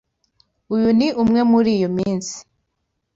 Uyu ni umwe muri iyo minsi.